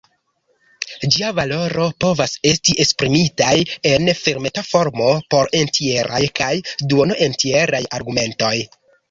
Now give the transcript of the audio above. Ĝia valoro povas esti esprimitaj en fermita formo por entjeraj kaj duono-entjeraj argumentoj.